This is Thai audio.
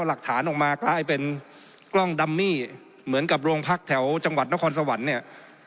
หลักฐานออกมากลายเป็นกล้องดัมมี่เหมือนกับโรงพักแถวจังหวัดนครสวรรค์เนี่ย